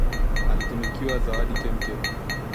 Alitunukiwa zawadi kemkem